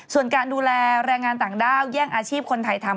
ส่วนการดูแลแรงงานต่างด้าวแย่งอาชีพคนไทยทำ